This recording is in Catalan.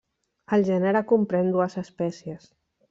El gènere comprèn dues espècies.